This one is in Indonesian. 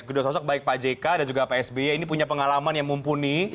kedua sosok baik pak jk dan juga pak sby ini punya pengalaman yang mumpuni